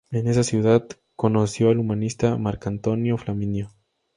En esa ciudad conoció al humanista Marcantonio Flaminio.